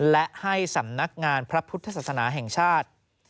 และให้สำนักงานพระพุทธศาสนาแห่งชาติ